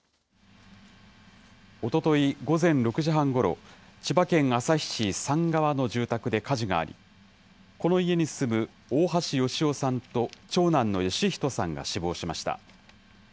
おととい午前６時半ごろ、千葉県旭市三川の住宅で火事があり、この家に住む大橋芳男さんと長男の芳人さんが死亡しました。